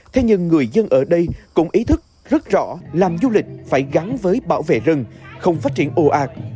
thế nhưng người dân ở đây cũng ý thức rất rõ làm du lịch phải gắn với bảo vệ rừng không phát triển ồ ạt